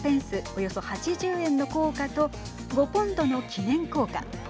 およそ８０円の硬貨と５ポンドの記念硬貨。